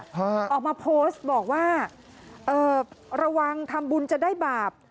ฮะออกมาโพสต์บอกว่าเอ่อระวังทำบุญจะได้บาป